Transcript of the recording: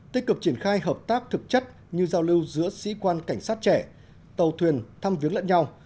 tích cực triển khai hợp tác thực chất như giao lưu giữa sĩ quan cảnh sát trẻ tàu thuyền thăm viếng lẫn nhau